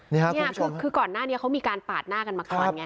นี่คือก่อนหน้านี้เขามีการปาดหน้ากันมาก่อนไง